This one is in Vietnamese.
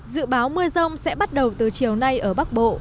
dự báo mưa rông sẽ bắt đầu từ chiều nay ở bắc bộ